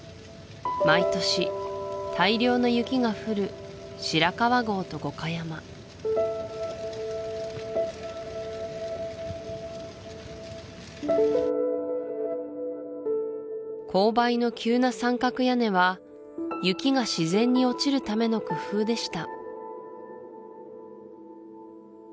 毎年大量の雪が降る白川郷と五箇山勾配の急な三角屋根は雪が自然に落ちるための工夫でした